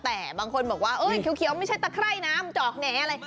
แต่บางคนบอกว่าเขียวไม่ใช่ตะไคร่น้ำจอกแหน่อะไร